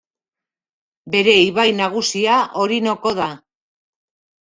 Bere ibai nagusia Orinoko da.